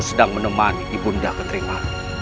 sedang menemani ibu nda keterima